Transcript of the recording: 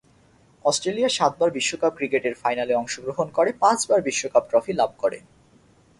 Australia সাতবার বিশ্বকাপ ক্রিকেটের ফাইনালে অংশগ্রহণ করে পাঁচবার বিশ্বকাপ ট্রফি লাভ করে।